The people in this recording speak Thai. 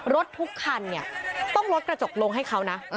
รถทุกคันต้องลดกระจกลงให้เขานะ